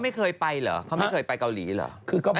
ไม่เคยไปเหรอเขาไม่เคยไปเกาหลีเหรอ